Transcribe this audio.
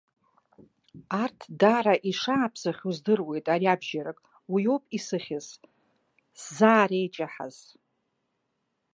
Арҭ даара ишааԥсахьоу здыруеит ари абжьарак, уи ауп исыхьыз, сзаареиҷаҳаз.